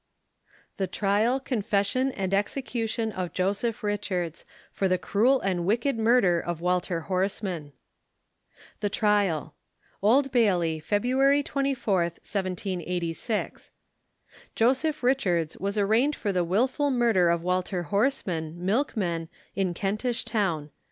The Trial, Confession, and Execution OF JOSEPH RICHARDS, For the Cruel and Wicked Murder of Walter Horseman. THE TRIAL. Old Bailey, February 24th, 1786. Joseph Richards was arraigned for the wilful murder of Walter Horseman, milkman, in Kentish Town.